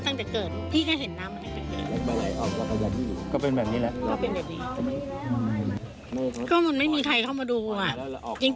นี่พี่ก็ดีใจเลยที่ไม่ทอดทิ้ง